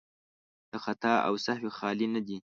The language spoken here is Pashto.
له خطا او سهوی خالي نه دي.